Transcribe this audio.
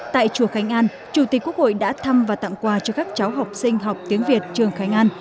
tại chùa khánh an chủ tịch quốc hội đã thăm và tặng quà cho các cháu học sinh học tiếng việt trường khánh an